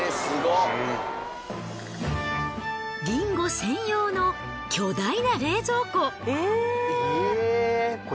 リンゴ専用の巨大な冷蔵庫。